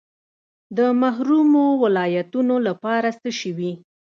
د محرومو ولایتونو لپاره څه شوي؟